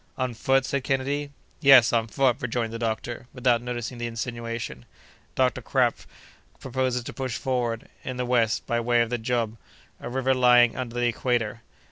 "On foot?" said Kennedy. "Yes, on foot," rejoined the doctor, without noticing the insinuation. "Doctor Krapf proposes to push forward, in the west, by way of the Djob, a river lying under the equator.